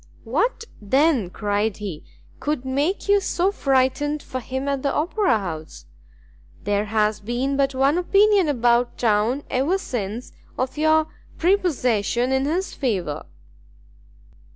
"What, then," cried he, "could make you so frightened for him at the Opera house? There has been but one opinion about town ever since of your prepossession in his favour."